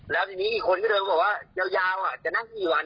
แล้วทีนี้อีกคนก็เลยบอกว่ายาวยาวจะนั่งกี่วัน